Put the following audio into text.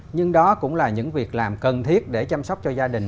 nhưng đó cũng là những việc làm cần thiết để chăm sóc cho gia đình